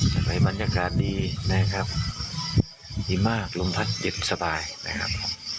มันบรรยากาศดีนะครับดิมมากรุมพลัทธิ์สบายนะครับ